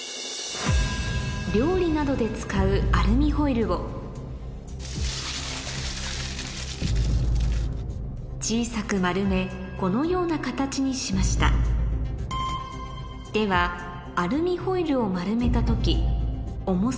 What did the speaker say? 料理などで使うアルミホイルを小さく丸めこのような形にしましたでははい。